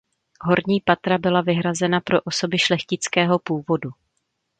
Horní patra byla vyhrazena pro osoby šlechtického původu.